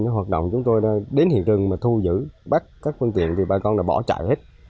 hoạt động chúng tôi đến hiện trường mà thu giữ bắt các phương tiện thì bà con đã bỏ chạy hết